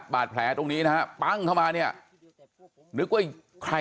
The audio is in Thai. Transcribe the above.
มาโดนยิงที่สะพานเนี่ยนะครับ